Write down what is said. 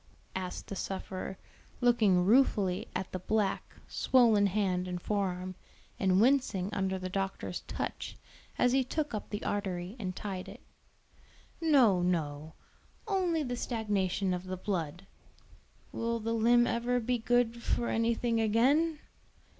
asked the sufferer, looking ruefully at the black, swollen hand and fore arm, and wincing under the doctor's touch as he took up the artery and tied it. "No, no; only the stagnation of the blood." "Will the limb ever be good for anything again?"